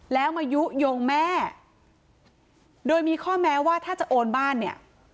แล้วมายุโยงแม่โดยมีข้อแม้ว่าถ้าจะโอนบ้านเนี่ย